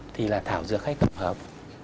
thì là thảo dược hay cụm hợp